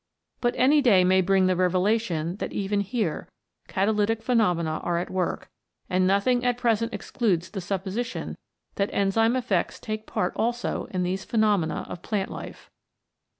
But any day may bring the revelation that even here catalytic phenomena are at work, and nothing at present excludes the supposition that enzyme effects take part also in these pheno mena of plant life.